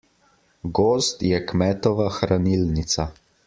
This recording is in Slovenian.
Gozd je kmetova hranilnica.